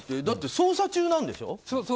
だって捜査中なんでしょう？